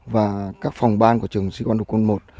và các phòng ban của trường sĩ quan lục quân i